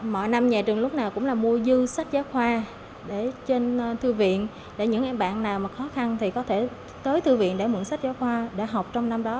mọi năm nhà trường lúc nào cũng là mua dư sách giáo khoa trên thư viện để những em bạn nào mà khó khăn thì có thể tới thư viện để mượn sách giáo khoa để học trong năm đó